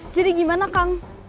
jadi gimana kang